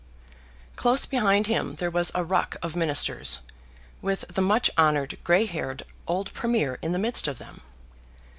Close behind him there was a ruck of Ministers, with the much honoured grey haired old Premier in the midst of them.